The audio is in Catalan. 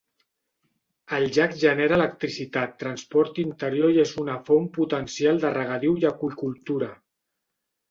El llac genera electricitat, transport interior i és una font potencial de regadiu i aqüicultura.